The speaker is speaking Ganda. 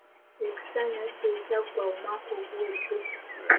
Ekisanya kye kyaggwa omwaka oguwedde.